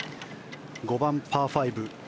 ５番、パー５。